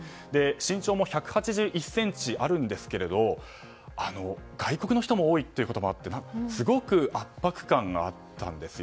身長も１８１ｃｍあるんですが外国の人も多いということもあってすごく圧迫感があったんです。